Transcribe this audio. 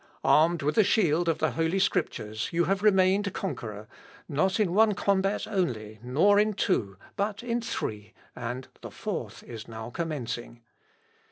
Armed with the shield of the Holy Scriptures you have remained conqueror, not in one combat only, nor in two, but in three, and the fourth is now commencing....